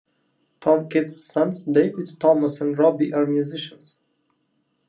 Tom Kitt's sons David, Thomas and Robbie are musicians.